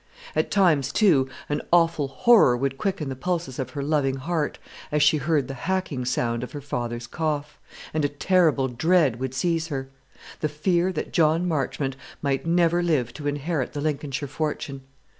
At times, too, an awful horror would quicken the pulses of her loving heart as she heard the hacking sound of her father's cough; and a terrible dread would seize her, the fear that John Marchmont might never live to inherit the Lincolnshire fortune.